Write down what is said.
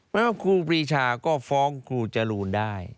ไม่ว่าครูปรีชาก็ฟ้องครูจรูนได้